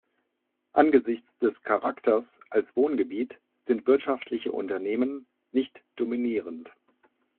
Angesichts des Charakters als Wohngebiet sind wirtschaftliche Unternehmen nicht dominierend.